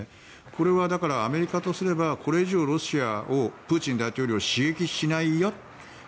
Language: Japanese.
これはアメリカとすればこれ以上ロシアをプーチン大統領を刺激しないよと。